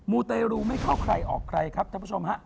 ูเตรูไม่เข้าใครออกใครครับท่านผู้ชมฮะ